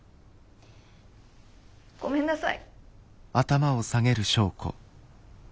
ごめんなさい。